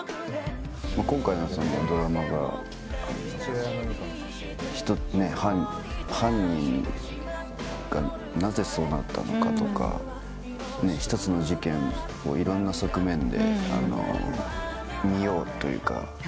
今回のそのドラマが犯人がなぜそうなったのかとか一つの事件をいろんな側面で見ようというか。